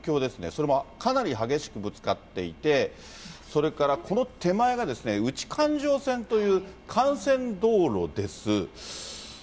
それもかなり激しくぶつかっていて、それから、この手前がですね、内環状線という幹線道路です。